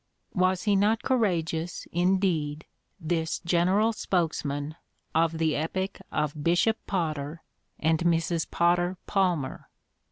Was he not courageous, indeed, this "general spokesman" of the epoch of Bishop Potter and Mrs. Potter Palmer?